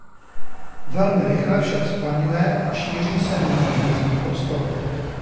Velmi rychle však zplaňuje a šíří se mimo vyhrazený prostor.